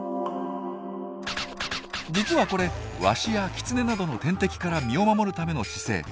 実はこれワシやキツネなどの天敵から身を守るための姿勢。